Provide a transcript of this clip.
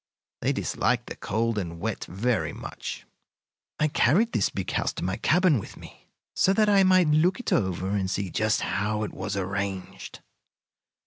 They dislike the cold and wet very much. "I carried this big house to my cabin with me, so that I might look it over and see just how it was arranged.